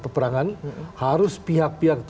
peperangan harus pihak pihak